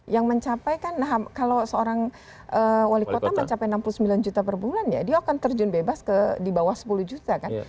yang mencapai kan kalau seorang wali kota mencapai enam puluh sembilan juta per bulan ya dia akan terjun bebas di bawah sepuluh juta kan